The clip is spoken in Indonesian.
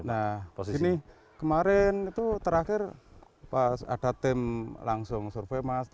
nah kemarin itu terakhir ada tim langsung survei mas